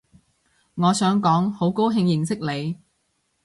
我想講好高興認識你